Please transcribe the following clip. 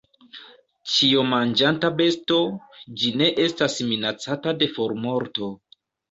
Ĉiomanĝanta besto, ĝi ne estas minacata de formorto.